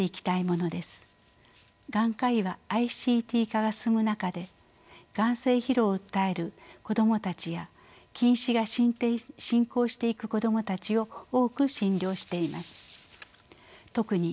眼科医はＩＣＴ化が進む中で眼精疲労を訴える子どもたちや近視が進行していく子どもたちを多く診療しています。